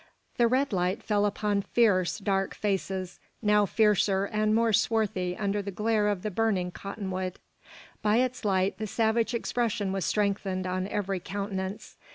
The red light fell upon fierce, dark faces, now fiercer and more swarthy under the glare of the burning cotton wood. By its light the savage expression was strengthened on every countenance.